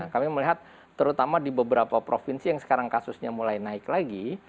kami melihat terutama di beberapa provinsi yang sekarang kasusnya mulai naik lagi